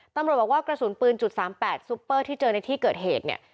ตำรวจบอกว่ากระสุนปืน๓๘ซุปเปอร์ที่เจอในที่เกิดเหตุเนี่ย